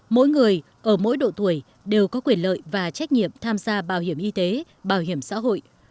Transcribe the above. mỗi người ở mỗi độ tuổi đều có quyền lợi và trách nhiệm tham gia bảo hiểm y tế bảo hiểm xã hội